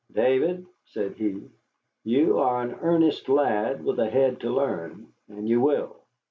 "David," said he, "you are an earnest lad, with a head to learn, and you will.